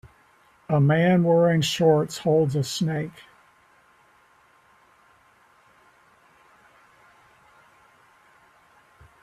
A man wearing shorts holds a snake